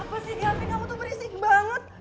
apa sih gaby kamu tuh berisik banget